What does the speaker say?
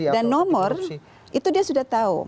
dan nomor itu dia sudah tahu